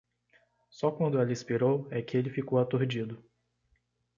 Só quando ela expirou, é que ele ficou aturdido.